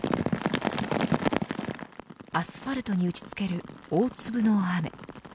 アスファルトに打ちつける大粒の雨。